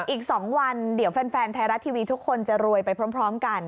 อีก๒วันเดี๋ยวแฟนไทยรัฐทีวีทุกคนจะรวยไปพร้อมกัน